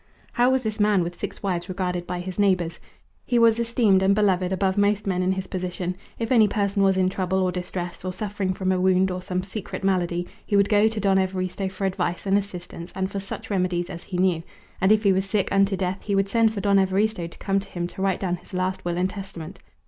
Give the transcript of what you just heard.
How was this man with six wives regarded by his neighbours? He was esteemed and beloved above most men in his position. If any person was in trouble or distress, or suffering from a wound or some secret malady, he would go to Don Evaristo for advice and assistance and for such remedies as he knew; and if he was sick unto death he would send for Don Evaristo to come to him to write down his last will and testament.